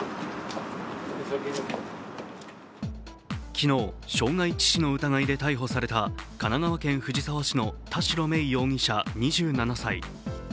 昨日、傷害致死の疑いで逮捕された神奈川県藤沢市の田代芽衣容疑者２７歳。